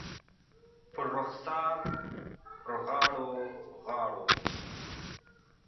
پر رخسار، پر غاړو ، غاړو